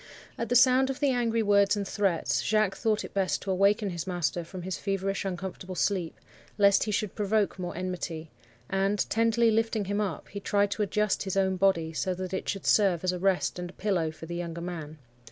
At the sound of the angry words and threats, Jacques thought it best to awaken his master from his feverish uncomfortable sleep, lest he should provoke more enmity; and, tenderly lifting him up, he tried to adjust his own body, so that it should serve as a rest and a pillow for the younger man.